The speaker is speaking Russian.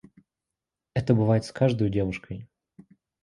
Это бывает с каждою девушкой.